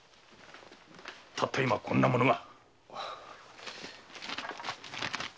たった今こんなものが。